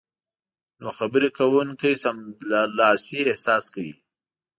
نو خبرې کوونکی سملاسي احساس کوي